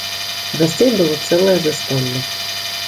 Гасцей было цэлае застолле.